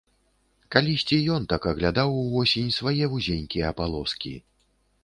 Калісьці ён так аглядаў увосень свае вузенькія палоскі.